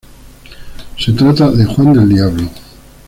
Se trata de Juan del Diablo.